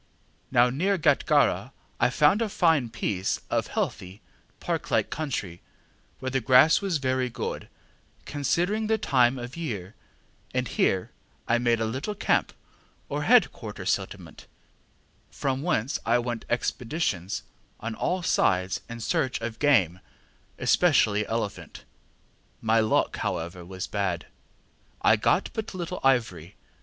Now near Gatgarra I found a fine piece of healthy, park like country, where the grass was very good, considering the time of year; and here I made a little camp or head quarter settlement, from whence I went expeditions on all sides in search of game, especially elephant. My luck, however, was bad; I got but little ivory.